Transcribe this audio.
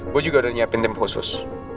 gue juga udah nyiapin tim khusus